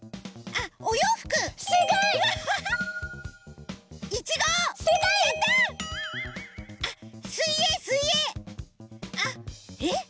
あっえっ？